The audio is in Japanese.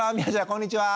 こんにちは！